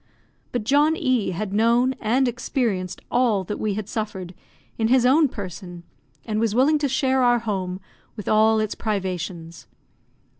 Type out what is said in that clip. But John E had known and experienced all that we had suffered, in his own person, and was willing to share our home with all its privations.